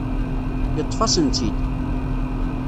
Yeṭṭef-asen-tt-id.